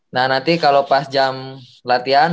nah nanti kalau pas jam latihan